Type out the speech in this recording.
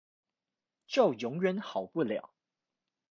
就永遠好不了